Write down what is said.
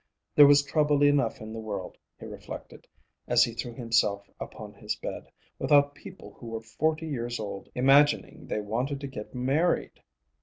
There was trouble enough in the world, he reflected, as he threw himself upon his bed, without people who were forty years old imagining they wanted to get married.